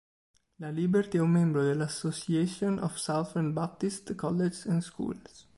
La Liberty è un membro della "Association of Southern Baptist Colleges and Schools".